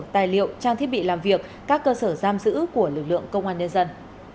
tài liệu trang thiết bị làm việc các cơ sở giam giữ của lực lượng công an nhân dân